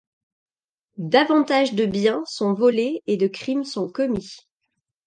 Davantage de biens sont volés et de crimes sont commis.